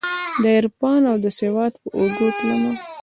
دعرفان اودسواد په اوږو تلمه